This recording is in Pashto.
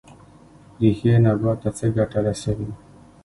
ریښې نبات ته څه ګټه رسوي؟